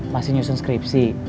masih nyusun skripsi